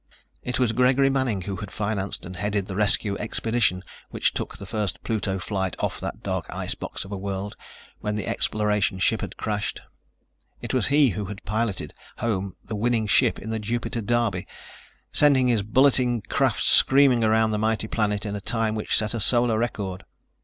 It was Gregory Manning who had financed and headed the rescue expedition which took the first Pluto flight off that dark icebox of a world when the exploration ship had crashed. It was he who had piloted home the winning ship in the Jupiter derby, sending his bulleting craft screaming around the mighty planet in a time which set a Solar record.